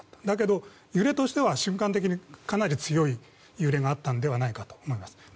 だけど揺れとしては瞬間的にかなり強い揺れがあったんだと思います。